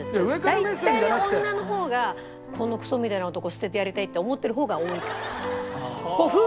大体女の方が「このクソみたいな男捨ててやりたい」って思ってる方が多いから。